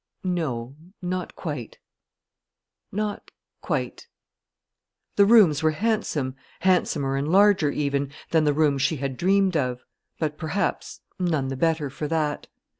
No, not quite not quite. The rooms were handsome, handsomer and larger, even, than the rooms she had dreamed of; but perhaps none the better for that.